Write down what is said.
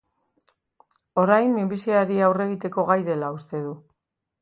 Orain, minbiziari aurre egiteko gai dela uste du.